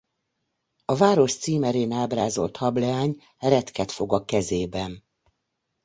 A város címerén ábrázolt hableány retket fog a kezében.